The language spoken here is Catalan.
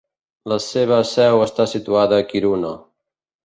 La seva seu està situada a Kiruna.